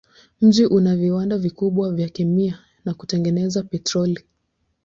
Mji una viwanda vikubwa vya kemia na kutengeneza petroli.